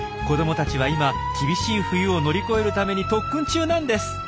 子どもたちは今厳しい冬を乗り越えるために特訓中なんです。